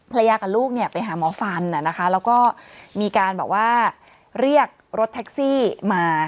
ภรรยากับลูกเนี่ยไปหาหมอฟันนะคะเราก็มีการบอกว่าเรียกรถแท็กซี่มา